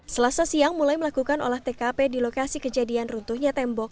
selasa siang mulai melakukan olah tkp di lokasi kejadian runtuhnya tembok